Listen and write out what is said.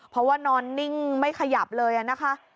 เพราะว่านอนนิ่งไม่ขยับเลยนะคะ